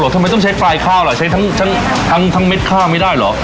ทำไมต้องใช้ปลายข้าวล่ะใช้ทั้งเม็ดข้าวไม่ได้เหรอ